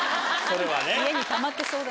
それはね。